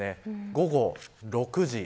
午後６時。